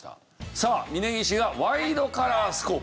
さあ峯岸がワイドカラースコープ。